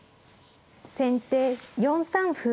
先手４三歩。